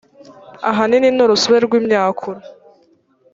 ahanini n urusobe rw imyakura